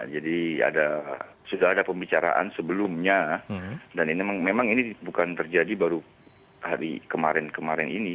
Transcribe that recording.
jadi sudah ada pembicaraan sebelumnya dan memang ini bukan terjadi baru hari kemarin kemarin ini